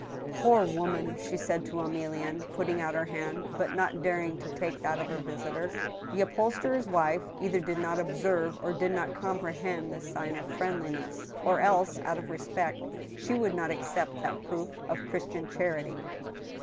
" Poor woman !" she said to Emilienne, putting out her hand, but not daring to take that of her visitor. The upholsterer's wife either did not observe or did not com prehend this sign of friendliness, or else, out of respect, she would not accept that proof of Christian charity.